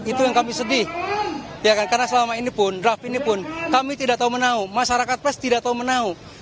itu yang kami sedih karena selama ini pun draft ini pun kami tidak tahu menau masyarakat pes tidak tahu menau